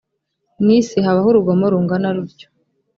mu isi habaho urugomo rungana rutyo